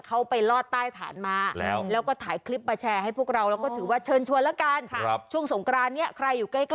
เขาไปรอดใต้ฐานมา